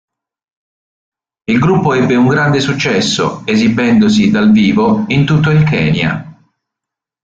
Il gruppo ebbe un grande successo esibendosi dal vivo in tutto il Kenya.